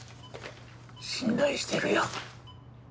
信頼してるよ。